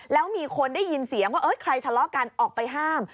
แล้วมีคนได้ยินเสียงว่าใครทะเลาะกันออกไปห้าม